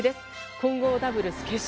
混合ダブルス決勝。